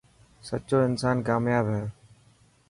سچو انسان ڪامياب هي.